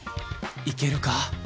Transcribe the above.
いけるか？